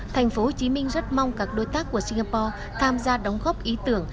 tp hcm rất mong các đối tác của singapore tham gia đóng góp ý tưởng